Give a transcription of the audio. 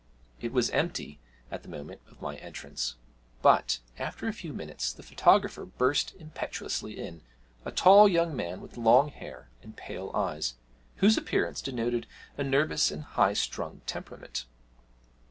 It was empty at the moment of my entrance, but, after a few minutes, the photographer burst impetuously in a tall young man, with long hair and pale eyes, whose appearance denoted a nervous and high strung temperament.